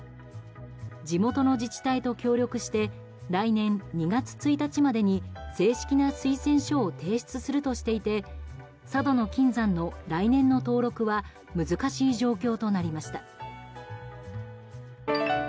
地元の自治体と協力して来年２月１日までに正式な推薦書を提出するとしていて佐渡島の金山の来年の登録は難しい状況となりました。